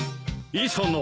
磯野。